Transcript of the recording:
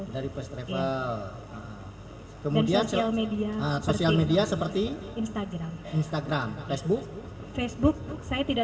dari kemudian sel media sosial media seperti instagram instagram facebook facebook saya tidak